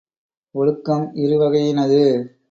ஒழுக்கம் இரு வகையினது.